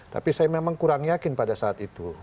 tapi saya memang kurang yakin pada saat itu